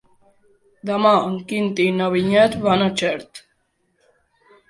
Demà en Quintí i na Vinyet van a Xert.